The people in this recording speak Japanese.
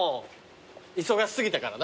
忙し過ぎたからな。